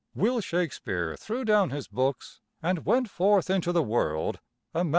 Will Shakespeare threw down his books and went forth into the world a man.